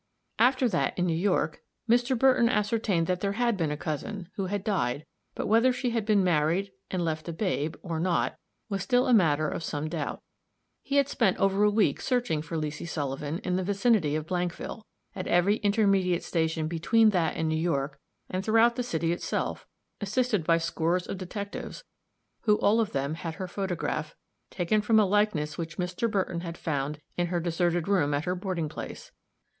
After that, in New York, Mr. Burton ascertained that there had been a cousin, who had died, but whether she had been married, and left a babe, or not, was still a matter of some doubt. He had spent over a week searching for Leesy Sullivan, in the vicinity of Blankville, at every intermediate station between that and New York, and throughout the city itself, assisted by scores of detectives, who all of them had her photograph, taken from a likeness which Mr. Burton had found in her deserted room at her boarding place.